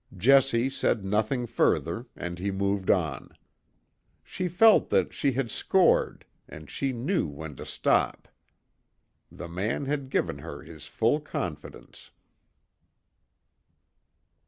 Jessie said nothing further, and he moved on. She felt that she had scored, and she knew when to stop. The man had given her his full confidence.